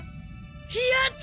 やった！